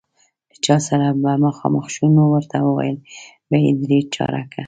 له چا سره به مخامخ شو، نو ورته ویل به یې درې چارکه.